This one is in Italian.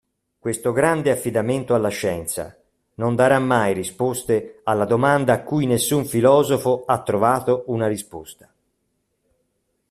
Questo grande affidamento alla scienza non darà mai risposte alla domanda a cui nessun filosofo a trovato una risposta.